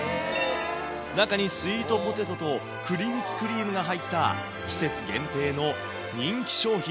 中にスイートポテトと黒蜜クリームが入った、季節限定の人気商品。